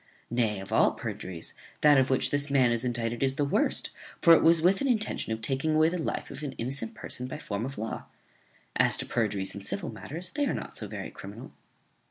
Nay, of all perjuries, that of which this man is indicted is the worst; for it was with an intention of taking away the life of an innocent person by form of law. As to perjuries in civil matters, they are not so very criminal."